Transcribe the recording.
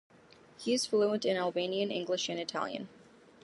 He is fluent in Albanian, English and Italian.